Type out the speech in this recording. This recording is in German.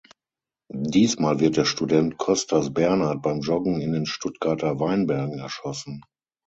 Diesmal wird der Student Kostas Bernhard beim Joggen in den Stuttgarter Weinbergen erschossen.